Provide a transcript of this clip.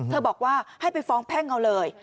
บอกว่าให้ไปฟ้องแพ่งเอาเลย